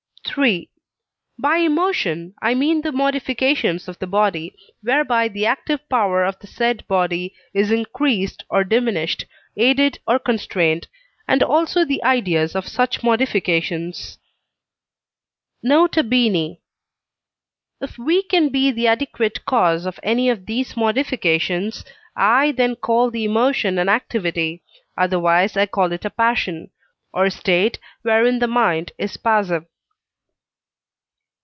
III. By emotion I mean the modifications of the body, whereby the active power of the said body is increased or diminished, aided or constrained, and also the ideas of such modifications. N.B. If we can be the adequate cause of any of these modifications, I then call the emotion an activity, otherwise I call it a passion, or state wherein the mind is passive.